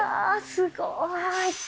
すごーい。